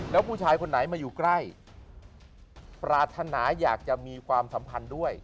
แล้วผู้ชายคนไหนมาอยู่ใกล้ปรารถนาอยากจะมีความสัมพันธ์ด้วย